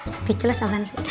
speechless apaan sih